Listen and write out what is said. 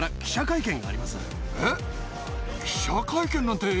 えっ！